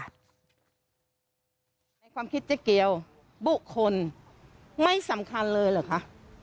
ในความคิดเจ๊เกียวบุคคลไม่สำคัญเลยเหรอคะ